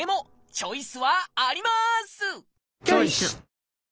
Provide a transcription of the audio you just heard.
チョイス！